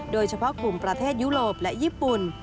โดยเฉพาะกลุ่มประเทศยุโรปและญี่ปุ่น